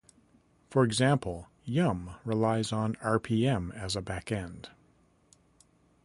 For example, yum relies on rpm as a backend.